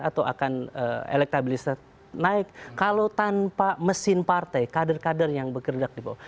atau akan elektabilitas naik kalau tanpa mesin partai kader kader yang bekerja di bawah